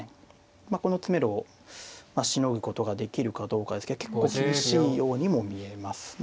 まあこの詰めろをしのぐことができるかどうかですけど結構厳しいようにも見えますね。